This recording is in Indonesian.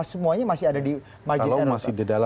semuanya masih ada di margin error